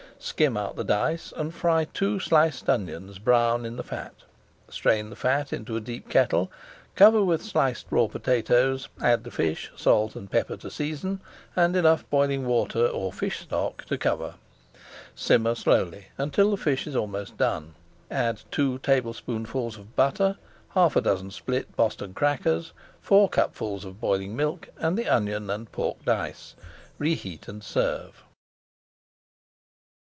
Skim out the dice and fry two sliced onions brown in the fat. Strain the fat into a deep kettle, cover with [Page 459] sliced raw potatoes, add the fish, salt and pepper to season, and enough boiling water or fish stock to cover. Simmer slowly until the fish is almost done, add two tablespoonfuls of butter, half a dozen split Boston crackers, four cupfuls of boiling milk, and the onion and pork dice. Reheat and serve.